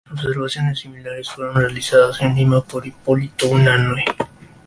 Observaciones similares fueron realizadas en Lima por Hipólito Unanue.